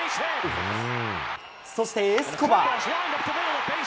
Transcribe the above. そしてエスコバー。